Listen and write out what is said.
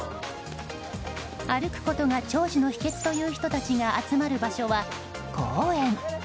歩くことが長寿の秘訣という人たちが集まる場所は公園。